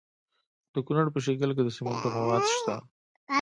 د کونړ په شیګل کې د سمنټو مواد شته.